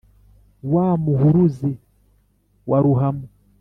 wa muhuruzi wa ruhamo,